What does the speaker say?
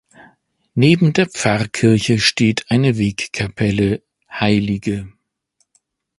Neben der Pfarrkirche steht eine Wegkapelle „Hl.